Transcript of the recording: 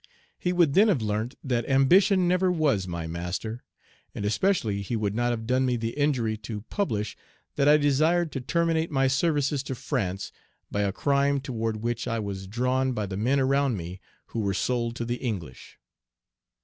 He would then have learnt that ambition never was my master, and especially he would not have done me the injury to publish that I desired to terminate my services to France by a crime toward which I was drawn by the men around me who were sold to the English.